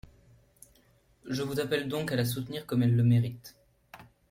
Je vous appelle donc à la soutenir comme elle le mérite.